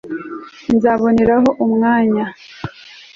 nzaboneraho umwanya